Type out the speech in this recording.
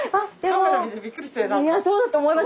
いやそうだと思います。